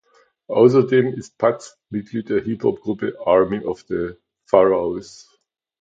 Außerdem ist Paz Mitglied der Hip-Hop-Gruppe "Army of the Pharaohs".